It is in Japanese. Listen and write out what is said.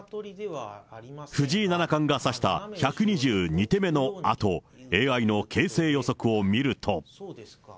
藤井七冠が指した１２２手目のあと、ＡＩの形勢予測を見ると。